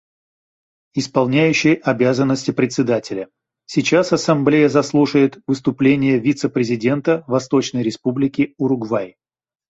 Исполняющий обязанности Председателя: Сейчас Ассамблея заслушает выступление вице-президента Восточной Республики Уругвай.